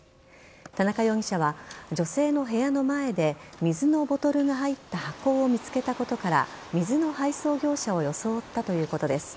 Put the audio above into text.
田中容疑者は女性の部屋の前で水のボトルが入った箱を見つけたことから水の配送業者を装ったということです。